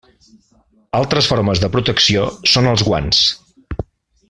Altres formes de protecció són els guants.